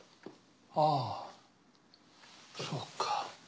ああそうか。